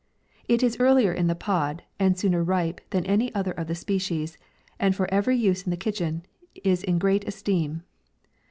It is earlier in the pod, and sooner ripe than any other of the species, and for every use in the kitchen, is in great esteem.